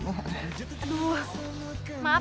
aku pengen mabok sama cari